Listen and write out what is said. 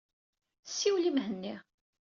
Siwel i Mhenni.